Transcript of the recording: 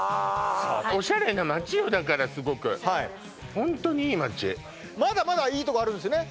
オシャレな街よだからすごくホントにいい街まだまだいいとこあるんですね